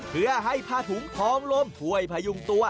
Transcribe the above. เพื่อให้ผ้าถุงทองลมช่วยพยุงตัว